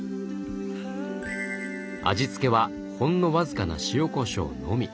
味付けはほんの僅かな塩こしょうのみ。